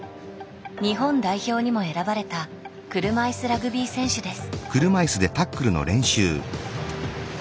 日本代表にも選ばれた車いすラグビー選手です。